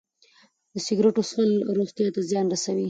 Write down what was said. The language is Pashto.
د سګرټو څښل روغتیا ته زیان رسوي.